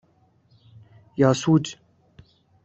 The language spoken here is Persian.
یاسوج